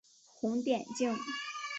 红点镜。